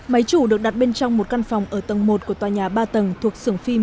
máy chủ được đặt bên trong một căn phòng ở tầng một của tòa nhà ba tầng thuộc sưởng phim